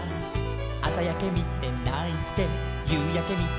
「あさやけみてないてゆうやけみてないて」